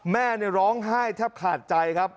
แม่ร้องไห้แทบขาดใจครับ